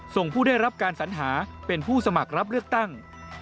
ผู้ได้รับการสัญหาเป็นผู้สมัครรับเลือกตั้ง